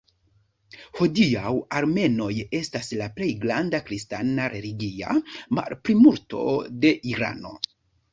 Hodiaŭ armenoj estas la plej granda kristana religia malplimulto de Irano.